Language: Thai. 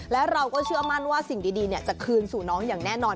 และเราก็เชื่อมั่นว่าสิ่งดีจะคืนสู่น้องอย่างแน่นอน